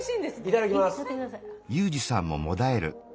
いただきます。